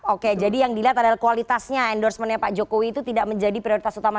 oke jadi yang dilihat adalah kualitasnya endorsementnya pak jokowi itu tidak menjadi prioritas utama